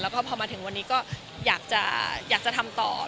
พอมาถึงวันนี้ก็อยากจะทำต่อ